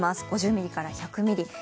５０ミリから１００ミリ。